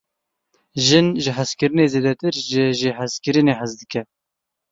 Jin; ji hezkirinê zêdetir, ji jêhezkirinê hez dike.